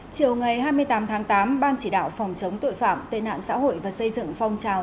chiều ngày hai mươi tám tháng tám ban chỉ đạo phòng chống tội phạm tên nạn xã hội và xây dựng phong trào